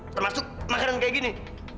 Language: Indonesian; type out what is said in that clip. termasuk makanan kayak gini